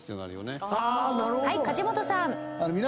はい梶本さん。